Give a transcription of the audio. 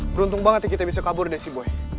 beruntung banget kita bisa kabur deh si boy